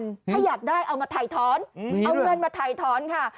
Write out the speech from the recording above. ถ้าอยากได้เอามาถ่ายถอนเอาเงินมาถ่ายถอนค่ะ